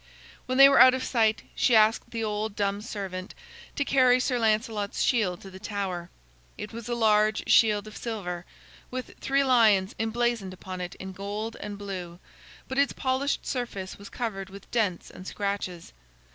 When they were out of sight she asked the old dumb servant to carry Sir Lancelot's shield to the tower. It was a large shield of silver, with three lions emblazoned upon it in gold and blue, but its polished surface was covered with dents and scratches.